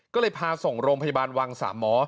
ก็เลยพาส่งโรงพยาบาลวังสามหมอ